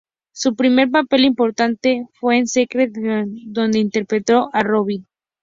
Su primer papel importante fue en "Secret Weapon", donde interpretó a Robby.